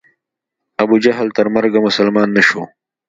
ابوجهل تر مرګه مسلمان نه شو.